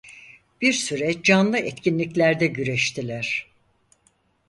Bir süre canlı etkinliklerde güreştiler.